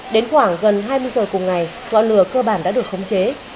đến khoảng gần hai mươi giờ cùng ngày ngọn lửa cơ bản đã được khống chế